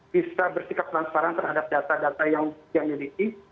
bisa bersikap transparan terhadap data data yang dimiliki